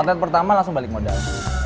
atlet pertama langsung balik modal